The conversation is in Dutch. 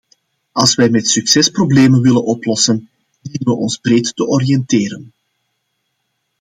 Als wij met succes problemen willen oplossen, dienen we ons breed te oriënteren.